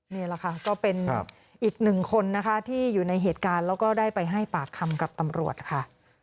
นี่แหละค่ะก็เป็นอีกหนึ่งคนนะคะที่อยู่ในเหตุการณ์แล้วก็ได้ไปให้ปากคำกับตำรวจค่ะ